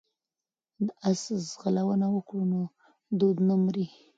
که اس ځغلونه وکړو نو دود نه مري.